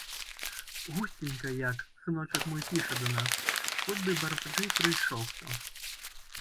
Гусценька як, сыночак мой піша да нас, хоць бы барзджэй прыйшоў хто.